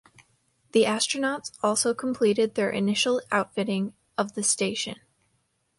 The astronauts also completed their initial outfitting of the station.